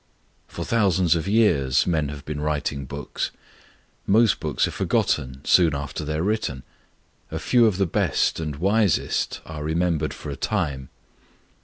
For thousands of years men have been writing books. Most books are forgotten soon after they are written; a few of the best and wisest are remembered for a time.